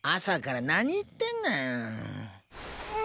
朝から何言ってんねん。